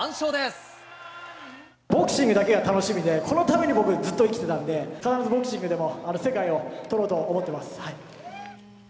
ボクシングだけが楽しみで、このために僕、ずっと生きてたんで、必ずボクシングでも、世界を取ろうと思ってます。